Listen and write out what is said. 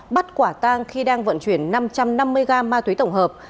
bắt quả tang khi đang vận chuyển năm trăm năm mươi gram ma túy tổng hợp